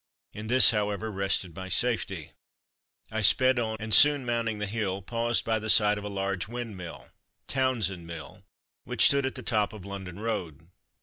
In this, however, rested my safety. I sped on, and soon mounting the hill paused by the side of a large windmill (Townsend mill) which stood at the top of London road.